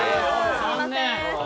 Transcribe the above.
すみません！